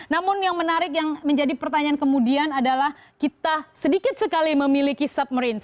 namun yang menarik yang menjadi pertanyaan kemudian adalah kita sedikit sekali memiliki submarine